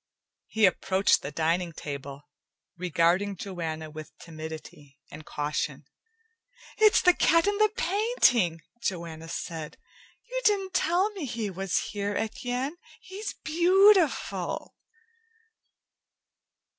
He approached the dining table, regarding Joanna with timidity and caution. "It's the cat in the painting!" Joanna said. "You didn't tell me he was here, Etienne. He's beautiful!"